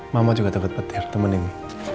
mama juga takut petir temen ini